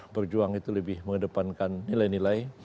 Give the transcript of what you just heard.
berjuang itu lebih mengedepankan nilai nilai